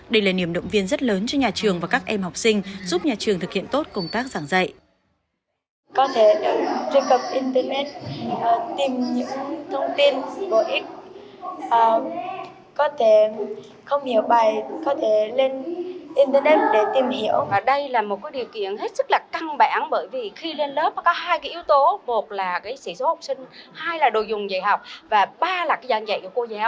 đây là niềm động viên rất lớn cho nhà trường và các em học sinh giúp nhà trường thực hiện tốt công tác giảng dạy